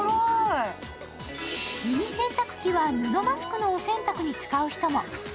ミニ洗濯機は布マスクのお洗濯に使う人も。